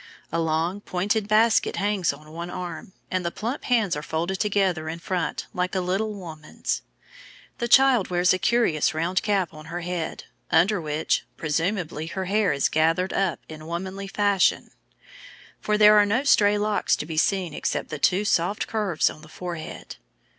A long, pointed basket hangs on one arm, and the plump hands are folded together in front like a little woman's. The child wears a curious round cap on her head, under which, presumably, her hair is gathered up in womanly fashion, for there are no stray locks to be seen except the two soft curves on the forehead.